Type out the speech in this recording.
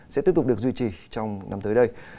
sẽ tiếp tục được duy trì trong năm tới đây